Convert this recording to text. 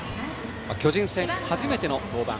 巨人戦、初めての登板。